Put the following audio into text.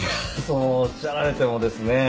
そうおっしゃられてもですね